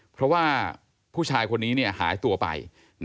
เพราะว่าผู้ชายคนนี้หายตัวไป